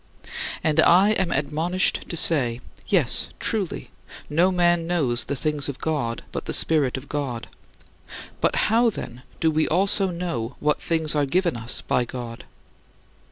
" And I am admonished to say: "Yes, truly. No man knows the things of God, but the Spirit of God: but how, then, do we also know what things are given us by God?"